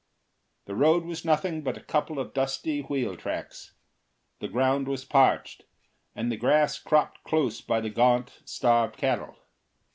The road was nothing but a couple of dusty wheel tracks; the ground was parched, and the grass cropped close by the gaunt, starved cattle.